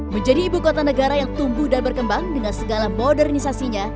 menjadi ibu kota negara yang tumbuh dan berkembang dengan segala modernisasinya